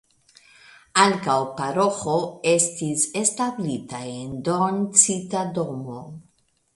Ankaŭ paroĥo estis establita en doncita domo.